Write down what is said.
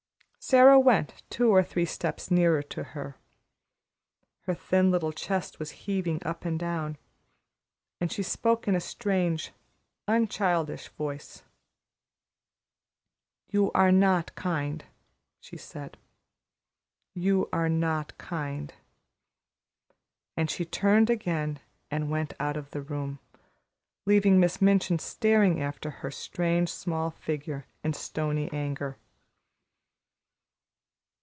Sara went two or three steps nearer to her. Her thin little chest was heaving up and down, and she spoke in a strange, unchildish voice. "You are not kind," she said. "You are not kind." And she turned again and went out of the room, leaving Miss Minchin staring after her strange, small figure in stony anger.